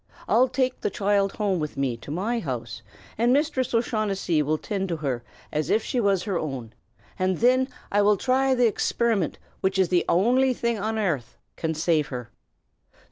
I'll take the choild home wid me to me house, and Misthress O'Shaughnessy will tind her as if she wuz her own; and thin I will try th' ixpirimint which is the ownly thing on airth can save her."